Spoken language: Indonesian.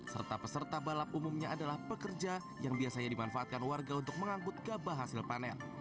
serta peserta balap umumnya adalah pekerja yang biasanya dimanfaatkan warga untuk mengangkut gabah hasil panen